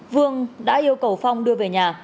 vương đã yêu cầu phong đưa về nhà